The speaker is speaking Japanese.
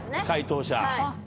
解答者。